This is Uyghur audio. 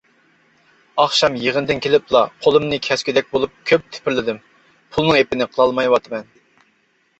ئاخشام يىغىندىن كېلىپلا قولۇمنى كەسكۈدەك بولۇپ كۆپ تېپىرلىدىم، پۇلنىڭ ئېپىنى قىلالمايۋاتىمەن.